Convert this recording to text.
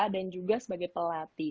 dan juga sebagai pelatih